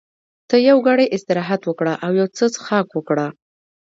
ته یو ګړی استراحت وکړه او یو څه څښاک وکړه.